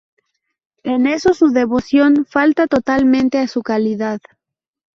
En eso su devoción falta totalmente a su calidad.